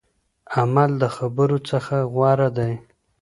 عمل د خبرو څخه غوره دی.